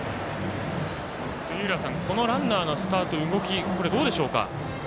杉浦さん、このランナーのスタート、動きどうでしょうか。